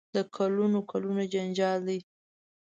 د کلونو کلونو جنجال دی.